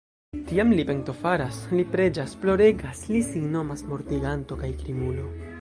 Tiam li pentofaras, li preĝas, ploregas, li sin nomas mortiganto kaj krimulo.